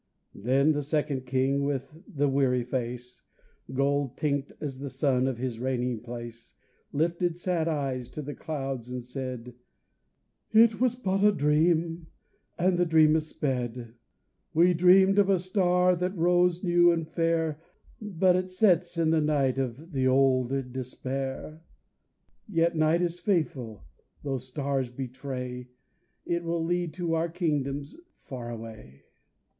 Then the second king with the weary face, Gold tinct as the sun of his reigning place, Lifted sad eyes to the clouds and said, "It was but a dream and the dream is sped. "We dreamed of a star that rose new and fair, But it sets in the night of the old despair. "Yet night is faithful though stars betray, It will lead to our kingdoms far away."